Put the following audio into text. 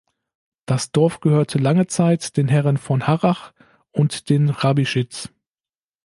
Das Dorf gehörte lange Zeit den Herren von Harrach und den Hrabischitz.